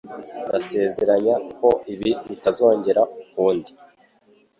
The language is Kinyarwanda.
Ndasezeranya ko ibi bitazongera ukundi.